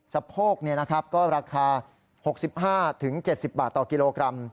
สะโพกก็ราคา๖๕๗๐บาทต่อกิโลกรัม